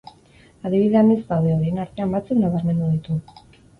Adibide anitz daude, horien artean batzuk nabarmendu ditu.